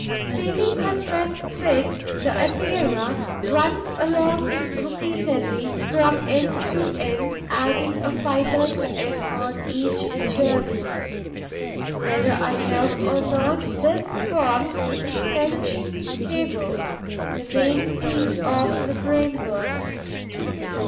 Feeling her thread fixed, the Epeira runs along it repeatedly, from end to end, adding a fibre to it on each journey. Whether I help or not, this forms the 'suspension cable,' the main piece of the framework.